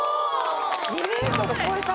２ｍ超えた。